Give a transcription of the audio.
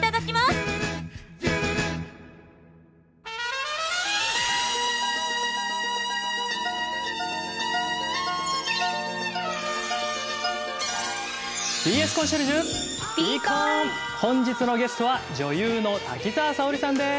本日のゲストは女優の滝沢沙織さんです。